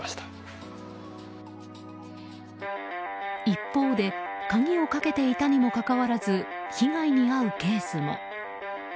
一方で鍵をかけていたにもかかわらず被害に遭うケースも。